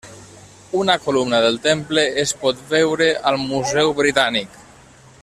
Una columna del temple es pot veure al Museu Britànic.